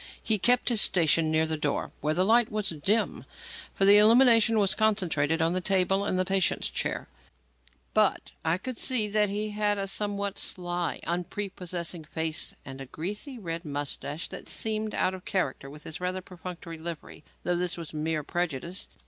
He kept his station near the door, where the light was dim for the illumination was concentrated on the table and the patient's chair but I could see that he had a somewhat sly, unprepossessing face and a greasy, red moustache that seemed out of character with his rather perfunctory livery; though this was mere prejudice.